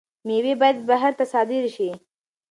میوې باید بهر ته صادر شي.